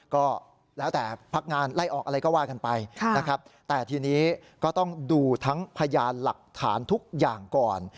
ก็แล้วแต่พักงานไล่ออกอะไรก็ว่ากันไปนะครับแต่ทีนี้ก็ต้องดูทั้งพยานหลักฐานทุกอย่างก่อน